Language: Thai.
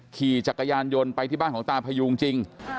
ขี่จักรยานยนต์ไปที่บ้านของตาพยูงจริง